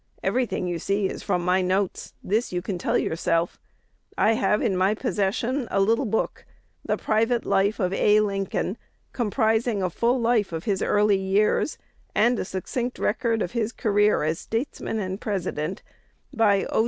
Every thing you see is from my notes, this you can tell yourself. "I have in my possession a little book, the private life of A. Lincoln, comprising a full life of his early years, and a succinct record of his career as statesman and President, by O.